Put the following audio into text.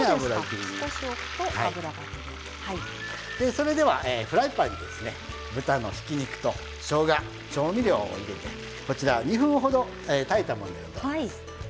それではフライパンにですね豚のひき肉としょうが調味料を入れてこちら２分ほど炊いたもんでございます。